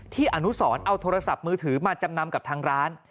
อนุสรเอาโทรศัพท์มือถือมาจำนำกับทางร้าน